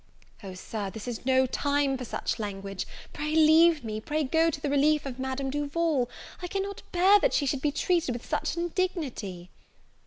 "O, Sir, this is no time for such language; pray leave me, pray go to the relief of Madame Duval, I cannot bear that she should be treated with such indignity."